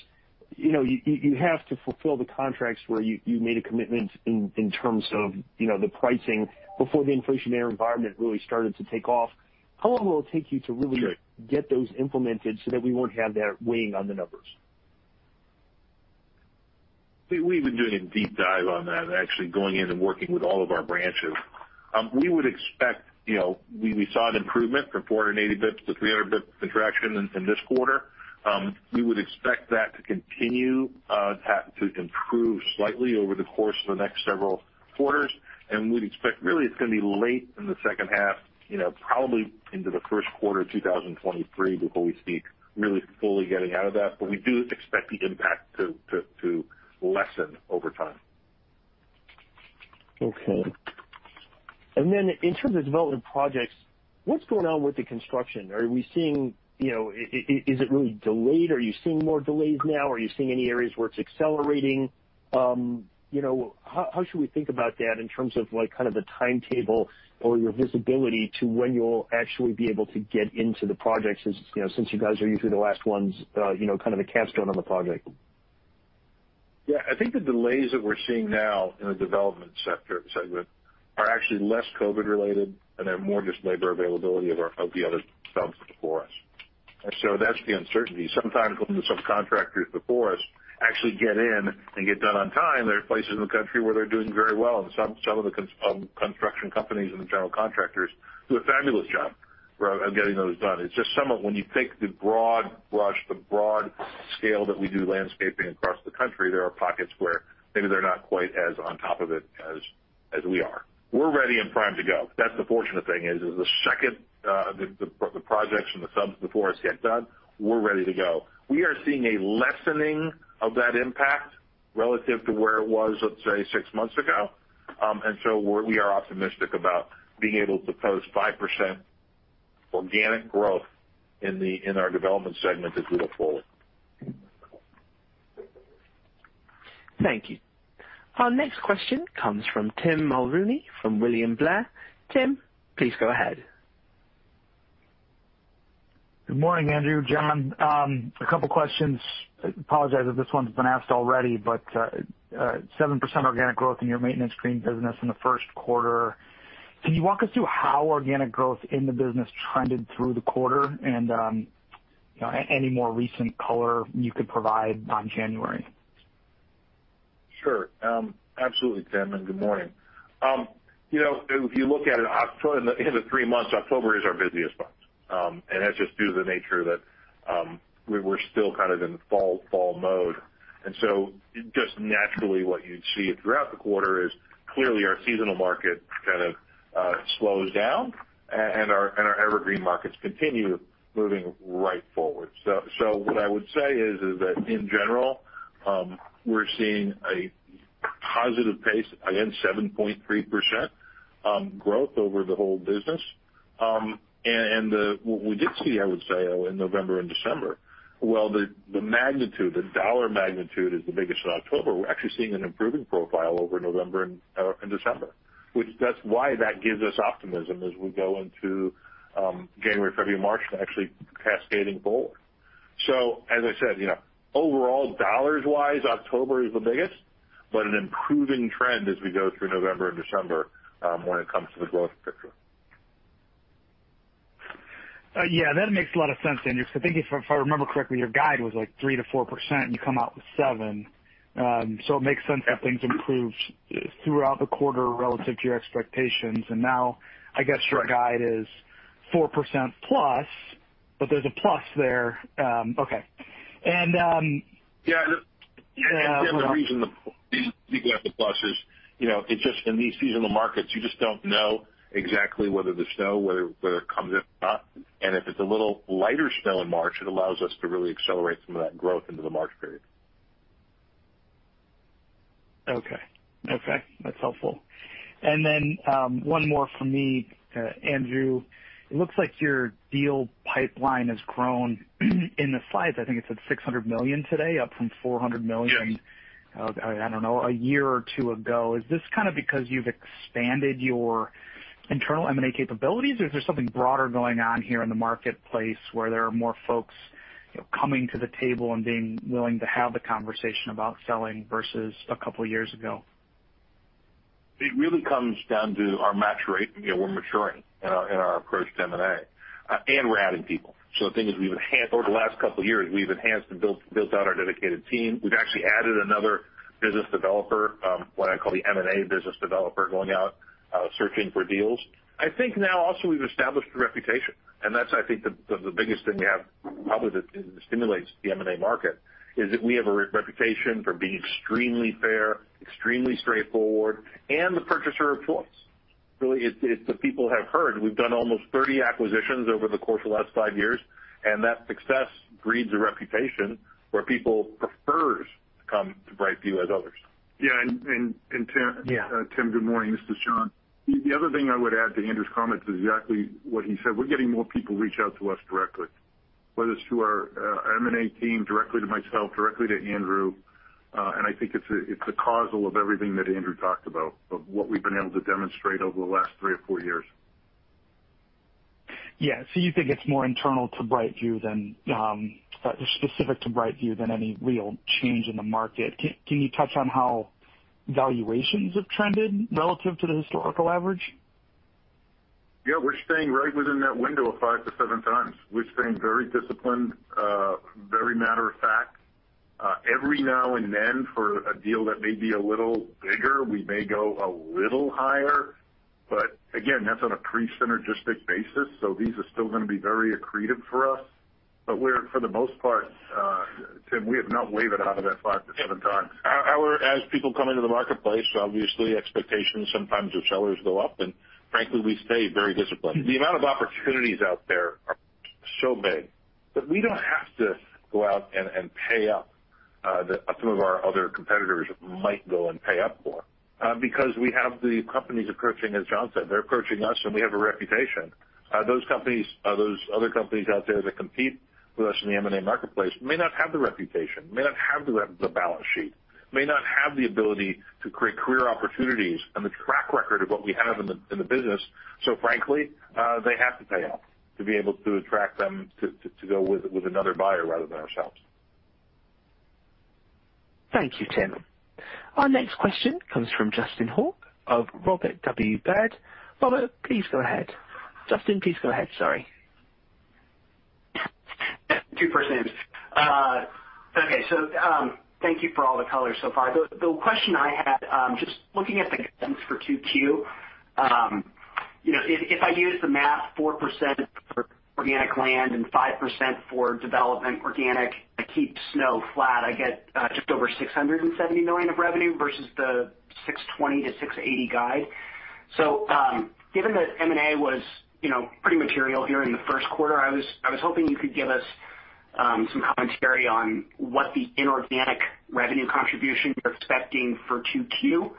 you know, you have to fulfill the contracts where you made a commitment in terms of, you know, the pricing before the inflationary environment really started to take off. How long will it take you to really get those implemented so that we won't have that weighing on the numbers? We've been doing a deep dive on that and actually going in and working with all of our branches. We saw an improvement from 480 basis points to 300 basis points contraction in this quarter. We would expect that to continue to improve slightly over the course of the next several quarters. We'd expect really it's gonna be late in the second half, you know, probably into the first quarter of 2023 before we see really fully getting out of that. We do expect the impact to lessen over time. Okay. In terms of Development projects, what's going on with the construction? Are we seeing, you know, is it really delayed? Are you seeing more delays now? Are you seeing any areas where it's accelerating? You know, how should we think about that in terms of like kind of the timetable or your visibility to when you'll actually be able to get into the projects as, you know, since you guys are usually the last ones, you know, kind of the capstone on the project? Yeah. I think the delays that we're seeing now in the Development segment are actually less COVID related, and they're more just labor availability of the other subs before us. That's the uncertainty. Sometimes when the subcontractors before us actually get in and get done on time, there are places in the country where they're doing very well, and some of the construction companies and the general contractors do a fabulous job on getting those done. It's just some of when you take the broad brush, the broad scale that we do landscaping across the country, there are pockets where maybe they're not quite as on top of it as we are. We're ready and primed to go. That's the fortunate thing is the second projects from the subs before us get done, we're ready to go. We are seeing a lessening of that impact relative to where it was, let's say, six months ago. We are optimistic about being able to post 5% organic growth in our Development segment as we look forward. Thank you. Our next question comes from Tim Mulrooney from William Blair. Tim, please go ahead. Good morning, Andrew, John. A couple questions. I apologize if this one's been asked already, but 7% organic growth in your maintenance green business in the first quarter. Can you walk us through how organic growth in the business trended through the quarter and, you know, any more recent color you could provide on January? Sure. Absolutely, Tim, and good morning. You know, if you look at October in the three months, October is our busiest month. That's just due to the nature that we were still kind of in fall mode. Just naturally, what you'd see throughout the quarter is clearly our seasonal market kind of slows down and our evergreen markets continue moving right forward. What I would say is that in general, we're seeing a positive pace, again, 7.3% growth over the whole business. What we did see, I would say in November and December, while the magnitude, the dollar magnitude is the biggest in October, we're actually seeing an improving profile over November and December, which that's why that gives us optimism as we go into January, February, March and actually cascading forward. As I said, you know, overall dollars wise, October is the biggest, but an improving trend as we go through November and December, when it comes to the growth picture. Yeah, that makes a lot of sense, Andrew, because I think if I remember correctly, your guide was like 3%-4% and you come out with 7%. So it makes sense that things improved throughout the quarter relative to your expectations. Now I guess your guide is 4%+, but there's a plus there. Okay. Yeah. The only reason you can have the plus is, you know, it's just in these seasonal markets, you just don't know exactly whether the snow comes in or not. If it's a little lighter snow in March, it allows us to really accelerate some of that growth into the March period. Okay, that's helpful. One more from me, Andrew. It looks like your deal pipeline has grown in the slides. I think it's at $600 million today, up from $400 million. Yes. I don't know, a year or two ago. Is this kind of because you've expanded your internal M&A capabilities, or is there something broader going on here in the marketplace where there are more folks, you know, coming to the table and being willing to have the conversation about selling versus a couple of years ago? It really comes down to our maturity. You know, we're maturing in our approach to M&A, and we're adding people. The thing is, we've enhanced over the last couple of years, we've enhanced and built out our dedicated team. We've actually added another business developer, what I call the M&A business developer, going out, searching for deals. I think now also we've established a reputation, and that's the biggest thing we have probably that stimulates the M&A market is that we have a reputation for being extremely fair, extremely straightforward, and the purchaser of choice, really. It's the people have heard. We've done almost 30 acquisitions over the course of the last five years, and that success breeds a reputation where people prefers to come to BrightView as others. Yeah. Tim. Yeah. Tim Mulrooney, good morning. This is John. The other thing I would add to Andrew's comments is exactly what he said. We're getting more people reach out to us directly, whether it's through our M&A team, directly to myself, directly to Andrew. I think it's a cause of everything that Andrew talked about, of what we've been able to demonstrate over the last three or four years. Yeah. You think it's more internal to BrightView than specific to BrightView than any real change in the market. Can you touch on how valuations have trended relative to the historical average? Yeah, we're staying right within that window of 5x-7x. We're staying very disciplined, very matter of fact. Every now and then for a deal that may be a little bigger, we may go a little higher, but again, that's on a pre-synergistic basis. These are still gonna be very accretive for us. We're for the most part, Tim, we have not wavered out of that 5x-7x. However, as people come into the marketplace, obviously expectations sometimes of sellers go up, and frankly, we stay very disciplined. The amount of opportunities out there are so big that we don't have to go out and pay up, some of our other competitors might go and pay up for, because we have the companies approaching, as John said, they're approaching us, and we have a reputation. Those companies, those other companies out there that compete with us in the M&A marketplace may not have the reputation, may not have the balance sheet, may not have the ability to create career opportunities and the track record of what we have in the business. Frankly, they have to pay up to be able to attract them to go with another buyer rather than ourselves. Thank you, Tim. Our next question comes from Justin Hauke of Robert W. Baird. Robert, please go ahead. Justin, please go ahead. Sorry. Thank you for all the color so far. The question I had, just looking at the guidance for 2Q. You know, if I use the math, 4% for organic land and 5% for Development organic, I keep snow flat. I get just over $670 million of revenue versus the $620 million-$680 million guide. Given that M&A was, you know, pretty material here in the first quarter, I was hoping you could give us some commentary on what the inorganic revenue contribution you're expecting for 2Q.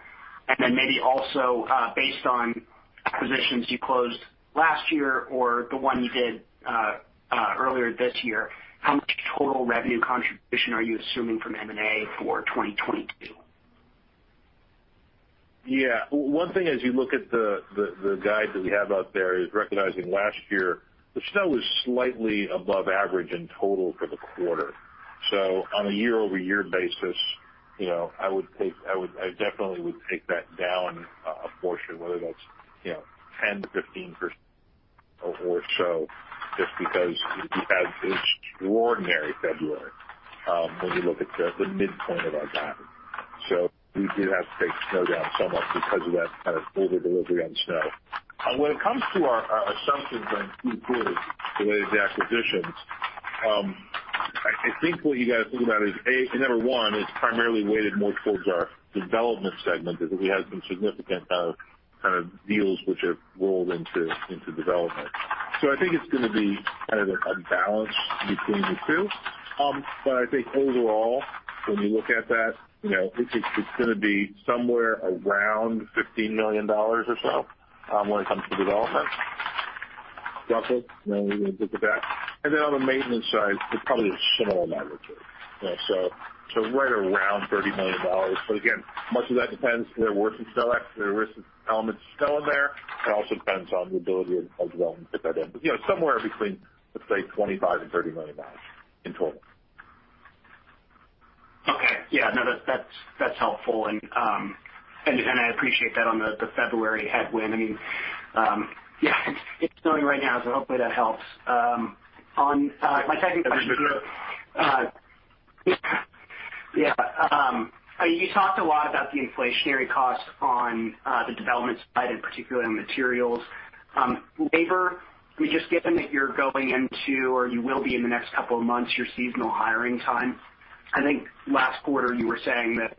And then maybe also, based on acquisitions you closed last year or the one you did earlier this year, how much total revenue contribution are you assuming from M&A for 2022? Yeah. One thing as you look at the guidance that we have out there is recognizing last year the snow was slightly above average in total for the quarter. On a year-over-year basis, you know, I definitely would take that down a portion, whether that's, you know, 10%-15% or so, just because we had extraordinary February, when you look at the midpoint of our guide. We do have to take snow down somewhat because of that kind of over-delivery on snow. When it comes to our assumptions on 2Q related to acquisitions, I think what you gotta think about is A, number one, it's primarily weighted more towards our Development segment because we have some significant kind of deals which have rolled into Development. I think it's gonna be kind of a balance between the two. I think overall, when you look at that, you know, it's gonna be somewhere around $15 million or so, when it comes to Development. Roughly, you know, when you look at that. Then on the Maintenance side, it's probably a similar number too. You know, right around $30 million. Again, much of that depends. There is some elements of snow in there. It also depends on the ability of Development to fit that in. You know, somewhere between, let's say, $25 million-$30 million in total. Yeah. No, that's helpful. I appreciate that on the February headwind. It's snowing right now, so hopefully that helps. On my second question here. You talked a lot about the inflationary cost on the Development side, and particularly on materials. Labor, I mean, just given that you're going into or you will be in the next couple of months, your seasonal hiring time. I think last quarter you were saying that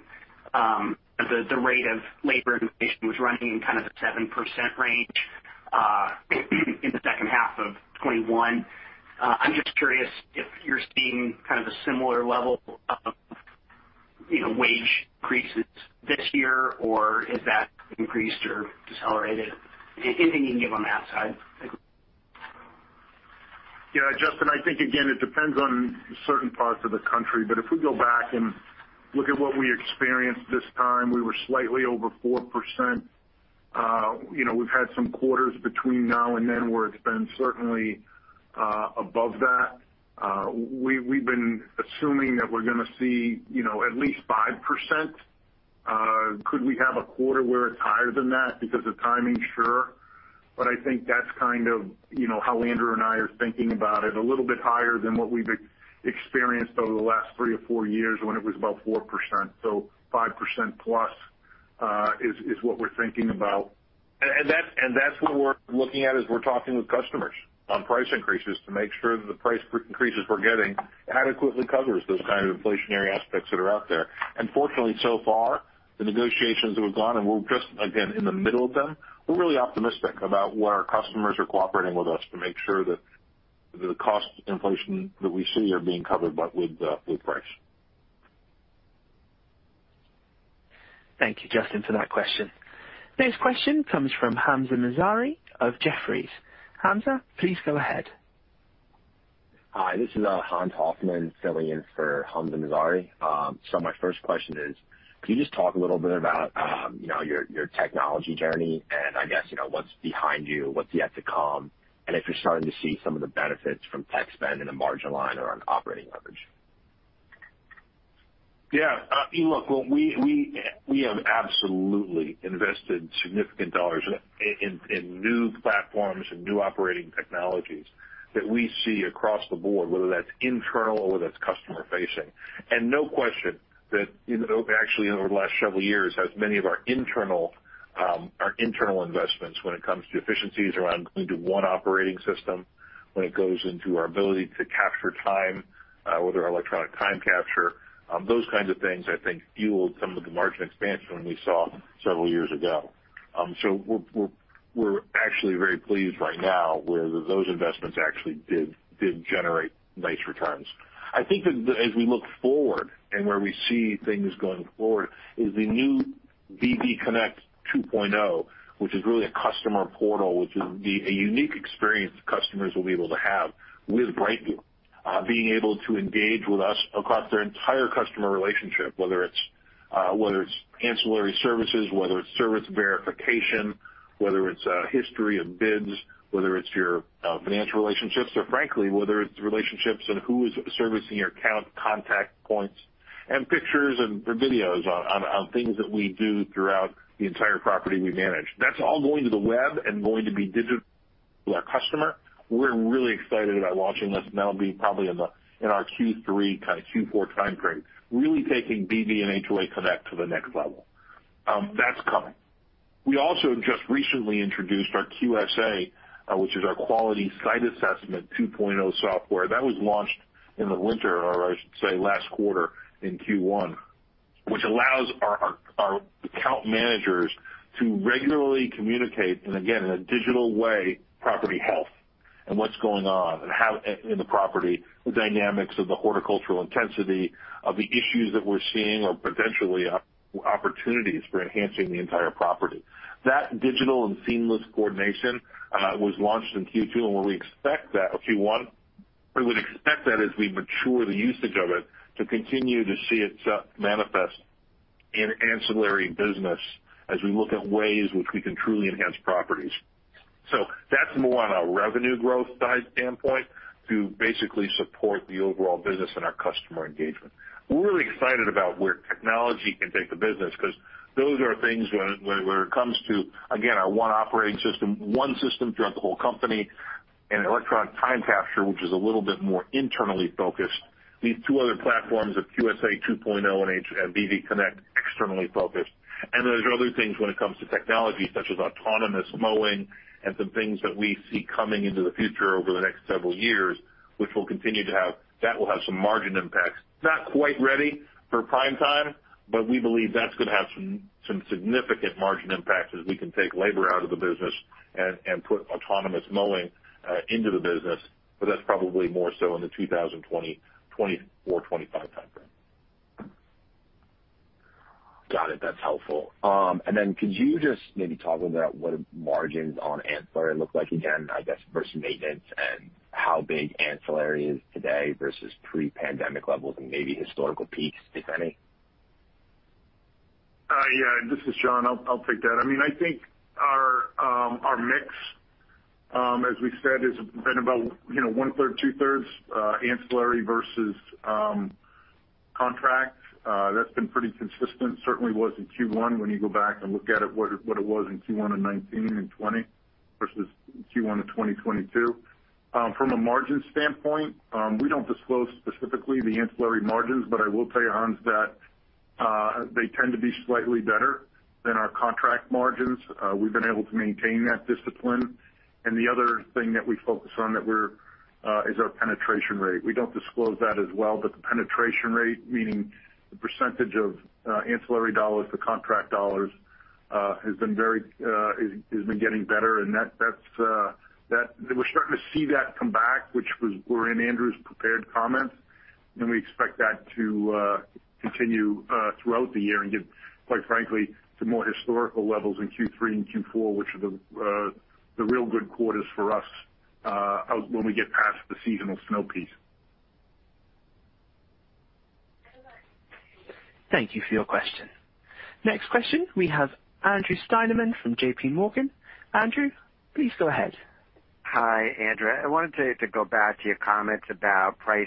the rate of labor inflation was running in kind of the 7% range in the second half of 2021. I'm just curious if you're seeing kind of a similar level of, you know, wage increases this year or is that increased or decelerated? Anything you can give on that side? Yeah, Justin, it depends on certain parts of the country, but if we go back and look at what we experienced this time, we were slightly over 4%. You know, we've had some quarters between now and then where it's been certainly above that. We've been assuming that we're gonna see, you know, at least 5%. Could we have a quarter where it's higher than that because of timing? Sure. But I think that's kind of, you know, how Andrew and I are thinking about it, a little bit higher than what we've experienced over the last three or four years when it was about 4%. 5%+ is what we're thinking about. That's what we're looking at as we're talking with customers on price increases to make sure that the price increases we're getting adequately covers those kind of inflationary aspects that are out there. Fortunately, so far, the negotiations that we've gone, and we're just again in the middle of them, we're really optimistic about where our customers are cooperating with us to make sure that the cost inflation that we see are being covered by price. Thank you, Justin, for that question. Next question comes from Hamzah Mazari of Jefferies. Hamza, please go ahead. Hi, this is Hans Hoffman filling in for Hamzah Mazari. My first question is, could you just talk a little bit about, you know, your technology journey and what's behind you, what's yet to come, and if you're starting to see some of the benefits from tech spend in the margin line or on operating leverage? Yeah. Look, we have absolutely invested significant dollars in new platforms and new operating technologies that we see across the board, whether that's internal or whether that's customer facing. No question that, you know, actually over the last several years, as many of our internal investments when it comes to efficiencies around going to one operating system, when it goes into our ability to capture time with our electronic time capture, those kinds of things I think fueled some of the margin expansion we saw several years ago. We're actually very pleased right now with those investments actually did generate nice returns. I think as we look forward and where we see things going forward is the new BV Connect 2.0, which is really a customer portal, which is a unique experience customers will be able to have with BrightView, being able to engage with us across their entire customer relationship, whether it's ancillary services, whether it's service verification, whether it's history of bids, whether it's your financial relationships, or frankly, whether it's relationships and who is servicing your account contact points, and pictures and videos on things that we do throughout the entire property we manage. That's all going to the web and going to be digital to our customer. We're really excited about launching this, and that'll be probably in our Q3 kind of Q4 timeframe, really taking BV and HOA Connect to the next level. That's coming. We also just recently introduced our QSA, which is our Quality Site Assessment 2.0 software. That was launched in the winter, or I should say last quarter in Q1, which allows our account managers to regularly communicate, and again in a digital way, property health and what's going on and how in the property, the dynamics of the horticultural intensity of the issues that we're seeing or potentially opportunities for enhancing the entire property. That digital and seamless coordination was launched in Q1, and we expect that. We would expect that as we mature the usage of it to continue to see it manifest in ancillary business as we look at ways which we can truly enhance properties. So that's more on a revenue growth side standpoint to basically support the overall business and our customer engagement. We're really excited about where technology can take the business because those are things when it comes to, again, our one operating system, one system throughout the whole company, and electronic time capture, which is a little bit more internally focused. These two other platforms of QSA 2.0 and BV Connect, externally focused. There's other things when it comes to technology such as autonomous mowing and some things that we see coming into the future over the next several years, which will continue to have some margin impacts. Not quite ready for prime time, but we believe that's gonna have some significant margin impact as we can take labor out of the business and put autonomous mowing into the business. That's probably more so in the 2020, 2024, 2025 timeframe. Got it. That's helpful. Could you just maybe talk about what margins on ancillary look like, again, I guess versus Maintenance and how big ancillary is today versus pre-pandemic levels and maybe historical peaks, if any? Yeah, this is John. I'll take that. Our mix, as we said, has been about, you know, 1/3, 2/3, ancillary versus contracts. That's been pretty consistent. Certainly was in Q1 when you go back and look at it, what it was in Q1 of 2019 and 2020 versus Q1 of 2022. From a margin standpoint, we don't disclose specifically the ancillary margins, but I will tell you, Hans, that they tend to be slightly better than our contract margins. We've been able to maintain that discipline. The other thing that we focus on is our penetration rate. We don't disclose that as well, but the penetration rate, meaning the percentage of ancillary dollars to contract dollars, has been getting better. We're starting to see that come back, which were in Andrew's prepared comments. We expect that to continue throughout the year and get, quite frankly, to more historical levels in Q3 and Q4, which are the real good quarters for us, when we get past the seasonal snow piece. Thank you for your question. Next question. We have Andrew Steinerman from JPMorgan. Andrew, please go ahead. Hi, Andrew. I wanted to go back to your comments about price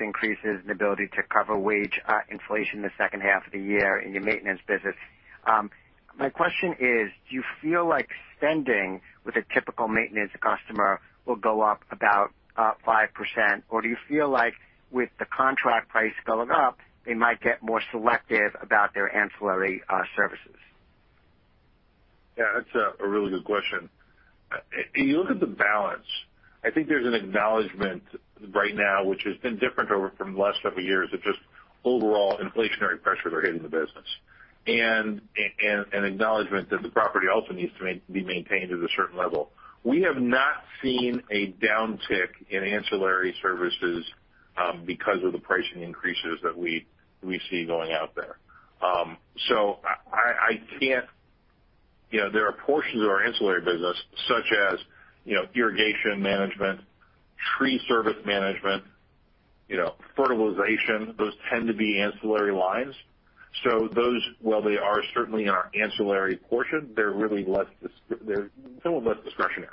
increases and ability to cover wage inflation in the second half of the year in your Maintenance business. My question is, do you feel like spending with a typical Maintenance customer will go up about 5%? Or do you feel like with the contract price going up, they might get more selective about their ancillary services? Yeah, that's a really good question. You look at the balance. I think there's an acknowledgment right now, which has been different over from the last several years, of just overall inflationary pressures are hitting the business. An acknowledgment that the property also needs to be maintained at a certain level. We have not seen a downtick in ancillary services because of the pricing increases that we see going out there. So I can't. You know, there are portions of our ancillary business such as, you know, irrigation management, tree service management, you know, fertilization. Those tend to be ancillary lines. So those, while they are certainly in our ancillary portion, they're really still less discretionary.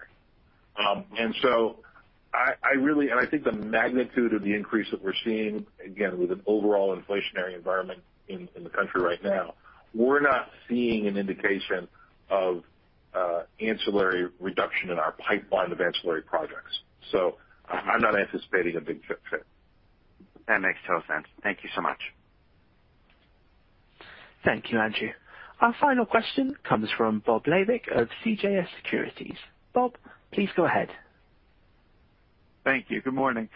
I think the magnitude of the increase that we're seeing, again, with an overall inflationary environment in the country right now, we're not seeing an indication of ancillary reduction in our pipeline of ancillary projects. I'm not anticipating a big drop-off. That makes total sense. Thank you so much. Thank you, Andrew. Our final question comes from Bob Labick of CJS Securities. Bob, please go ahead. Thank you. Good morning.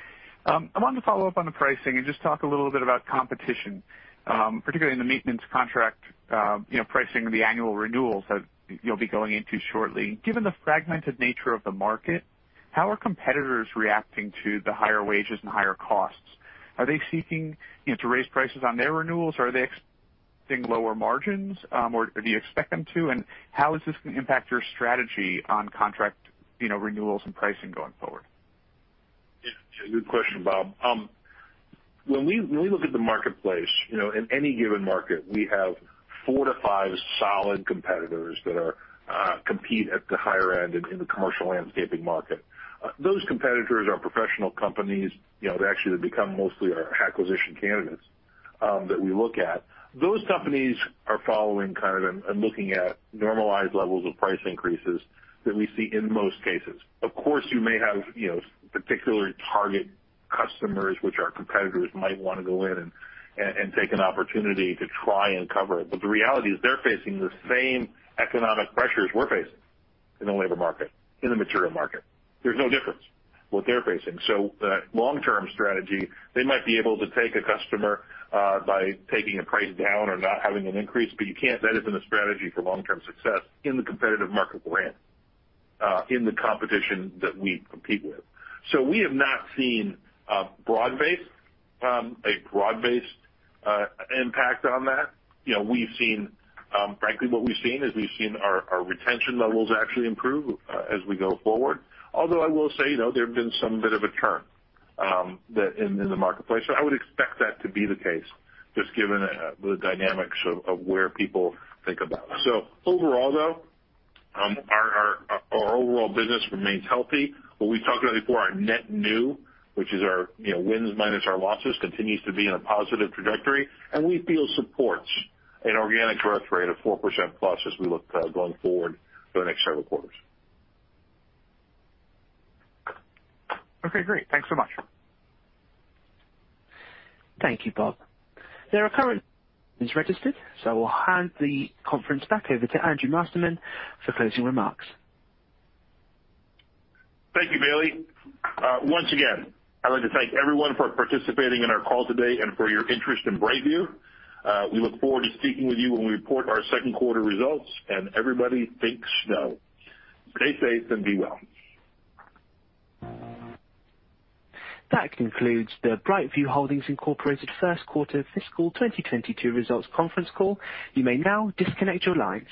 I wanted to follow up on the pricing and just talk a little bit about competition, particularly in the Maintenance contract, you know, pricing and the annual renewals that you'll be going into shortly. Given the fragmented nature of the market, how are competitors reacting to the higher wages and higher costs? Are they seeking, you know, to raise prices on their renewals, or are they expecting lower margins, or do you expect them to? How is this gonna impact your strategy on contract, you know, renewals and pricing going forward? Yeah, good question, Bob. When we look at the marketplace, you know, in any given market, we have 4-5 solid competitors that compete at the higher end in the commercial landscaping market. Those competitors are professional companies. You know, they actually become mostly our acquisition candidates that we look at. Those companies are following kind of and looking at normalized levels of price increases that we see in most cases. Of course, you may have, you know, particular target customers, which our competitors might wanna go in and take an opportunity to try and cover it. But the reality is they're facing the same economic pressures we're facing in the labor market, in the material market. There's no difference what they're facing. Long-term strategy, they might be able to take a customer by taking a price down or not having an increase, but you can't. That isn't a strategy for long-term success in the competitive market we're in the competition that we compete with. We have not seen a broad-based impact on that. You know, frankly, what we've seen is we've seen our retention levels actually improve as we go forward. Although I will say, you know, there have been somewhat of a turn in the marketplace. I would expect that to be the case, just given the dynamics of where people think about it. Overall, though, our overall business remains healthy. What we've talked about before, our net new, which is our, you know, wins minus our losses, continues to be in a positive trajectory. We feel supports an organic growth rate of 4%+ as we look, going forward for the next several quarters. Okay, great. Thanks so much. Thank you, Bob. There are currently registered, so I'll hand the conference back over to Andrew Masterman for closing remarks. Thank you, Bailey. Once again, I'd like to thank everyone for participating in our call today and for your interest in BrightView. We look forward to speaking with you when we report our second quarter results, and everybody, think snow. Stay safe and be well. That concludes the BrightView Holdings Incorporated First Quarter Fiscal 2022 Results Conference Call. You may now disconnect your lines.